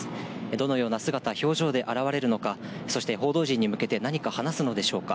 どのような姿、表情で現れるのか、そして報道陣に向けて何か話すのでしょうか。